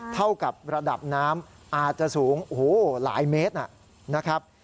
เท่ากับระดับน้ำอาจจะสูงโอ้โหหลายเมตรนะครับ